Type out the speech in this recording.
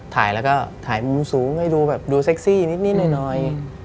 ถ่ายแล้วก็ถ่ายมุมสูงให้ดูแบบดูเซ็กซี่นิดหน่อย